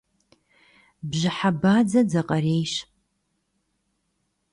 Bjıhe badze dzakherêyş.